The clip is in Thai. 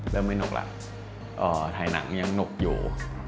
แล้วไม่หนุกละถ่ายหนังยังหนุกอยู่